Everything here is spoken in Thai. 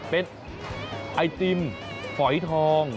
เป็นไอติมฝอยทอง